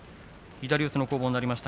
左四つの攻防になりました